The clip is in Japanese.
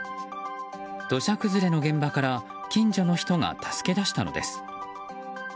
土砂崩れの現場から近所の人が助け出したのです。